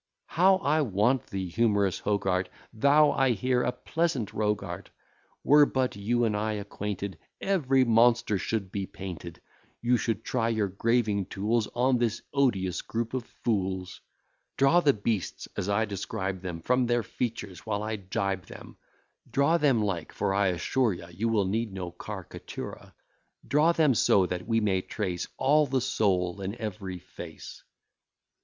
How I want thee, humorous Hogarth! Thou, I hear, a pleasant rogue art. Were but you and I acquainted, Every monster should be painted: You should try your graving tools On this odious group of fools; Draw the beasts as I describe them: Form their features while I gibe them; Draw them like; for I assure you, You will need no car'catura; Draw them so that we may trace All the soul in every face.